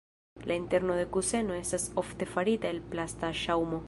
La interno de kuseno estas ofte farita el plasta ŝaŭmo.